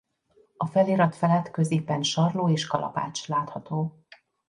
A felirat felett középen sarló és kalapács látható.